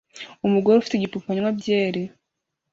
Umugore ufite igipupe anywa byeri